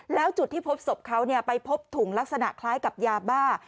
แล้วจุดที่พบศพเขาไปพบถุงลักษณะคล้ายกับยาบ้า